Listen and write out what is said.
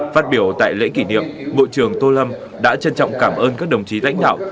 phát biểu tại lễ kỷ niệm bộ trưởng tô lâm đã trân trọng cảm ơn các đồng chí lãnh đạo